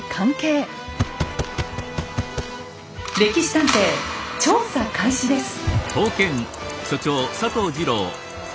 「歴史探偵」調査開始です。